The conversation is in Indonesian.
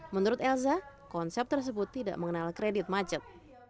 menurut elza konsep tersebut tidak mengenal kredit macet